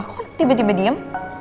kok tiba tiba diem